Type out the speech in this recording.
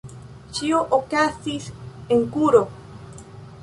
Ĉio okazis en kuro.